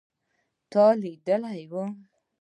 تا لیدلی و